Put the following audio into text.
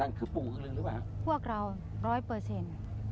นั่นคือปู่อีกหนึ่งหรือเปล่าครับพวกเราร้อยเปอร์เซ็นต์